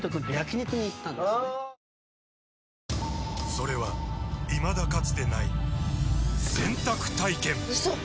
それはいまだかつてない洗濯体験‼うそっ！